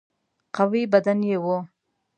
قوي بدن یې وو.